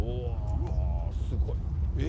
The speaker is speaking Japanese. うわー、すごい。え？